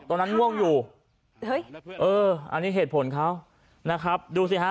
ง่วงอยู่เฮ้ยเอออันนี้เหตุผลเขานะครับดูสิฮะ